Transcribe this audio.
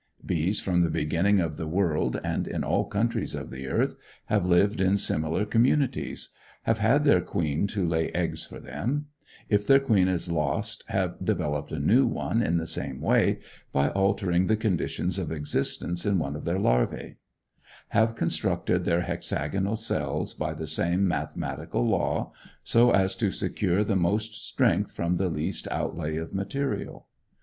Bees, from the beginning of the world, and in all countries of the earth, have lived in similar communities; have had their queen, to lay eggs for them: if their queen is lost, have developed a new one in the same way, by altering the conditions of existence in one of their larvæ; have constructed their hexagonal cells by the same mathematical law, so as to secure the most strength with the least outlay of material.